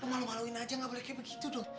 kamu malu maluin aja enggak boleh kayak begitu dong